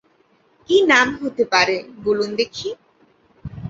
কী নাম হতে পারে বলুন দেখি?